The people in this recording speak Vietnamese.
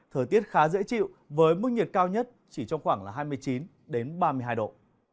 thời tiết khá dễ chịu với mức nhiệt cao nhất chỉ trong khoảng hai mươi chín ba mươi hai độ